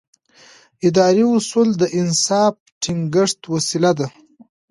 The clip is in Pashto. اداري اصول د انصاف د ټینګښت وسیله ده.